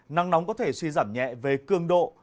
nắng nóng có thể suy giảm nhẹ về cương độ